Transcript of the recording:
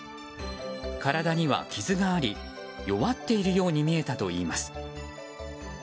体には傷があり弱っているように見えたといいます。